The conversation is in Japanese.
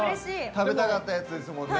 食べたかったやつですもんね。